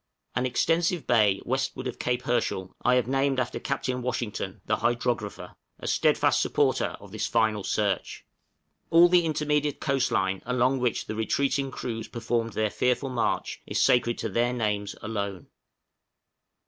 An extensive bay, westward of Cape Herschel, I have named after Captain Washington, the hydrographer, a steadfast supporter of this final search. All the intermediate coast line along which the retreating crews performed their fearful march is sacred to their names alone.